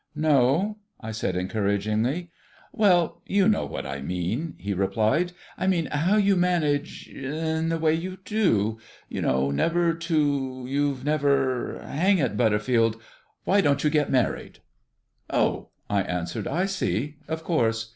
"No?" I said encouragingly. "Well, you know what I mean," he replied. "I mean how you manage in the way you do, you know; never to you've never hang it, Butterfield, why don't you get married?" "Oh!" I answered, "I see. Of course.